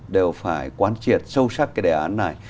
đều phải quán triệt sâu sắc cái đề án này